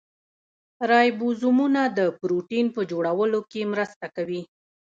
رایبوزومونه د پروټین په جوړولو کې مرسته کوي